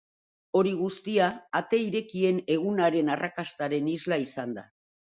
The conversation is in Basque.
Hori guztia ate irekien egunaren arrakastaren isla izan da.